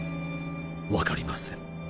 分かりません。